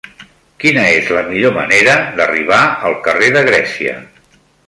Quina és la millor manera d'arribar al carrer de Grècia?